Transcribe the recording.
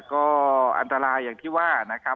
ก็อันตรายอย่างที่ว่า